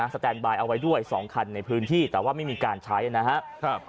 แตนบายเอาไว้ด้วย๒คันในพื้นที่แต่ว่าไม่มีการใช้นะครับ